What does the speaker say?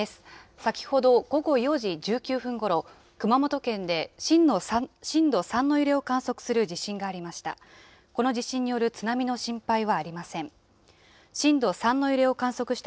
先ほど午後４時１９分ごろ、熊本県で震度３の揺れを観測する地震がありました。